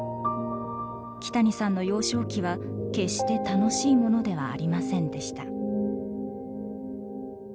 木谷さんの幼少期は決して楽しいものではありませんでした。